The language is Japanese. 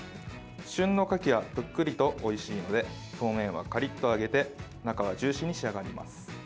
旬のカキはぷっくりと、おいしいので表面はカリッと揚げて中はジューシーに仕上がります。